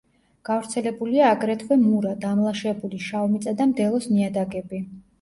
გავრცელებულია აგრეთვე მურა, დამლაშებული, შავმიწა და მდელოს ნიადაგები.